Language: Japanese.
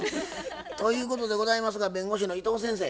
ということでございますが弁護士の伊藤先生